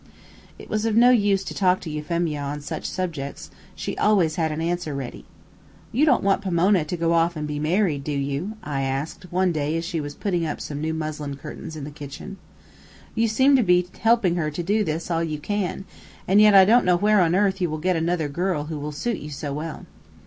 It was of no use to talk to Euphemia on such subjects; she always had an answer ready. "You don't want Pomona to go off and be married, do you?" I asked, one day as she was putting up some new muslin curtains in the kitchen. "You seem to be helping her to do this all you can, and yet I don't know where on earth you will get another girl who will suit you so well."